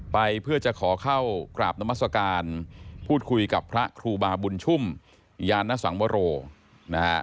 ไปเพื่อจะขอเข้ากราบนามัศกาลพูดคุยกับพระครูบาบุญชุ่มยานสังวโรนะฮะ